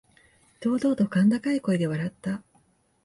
堂々と甲高い声で笑った。